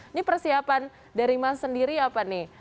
ini persiapan dari mas sendiri apa nih